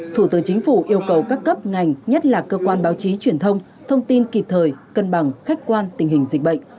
thủ tướng chính phủ yêu cầu các cấp ngành nhất là cơ quan báo chí truyền thông thông tin kịp thời cân bằng khách quan tình hình dịch bệnh